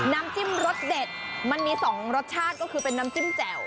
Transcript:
น้ำจิ้มรสเด็ดมันมี๒รสชาติก็คือเป็นน้ำจิ้มแจ่ว